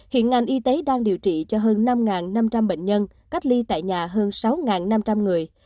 hiện ngành y tế đang điều trị cho hơn năm năm trăm linh bệnh nhân cách ly tại nhà hơn sáu năm trăm linh người